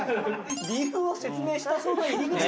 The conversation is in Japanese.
理由を説明したそうな入り口。